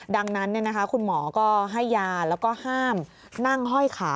ดังนั้นคุณหมอก็ให้ยาแล้วก็ห้ามนั่งห้อยขา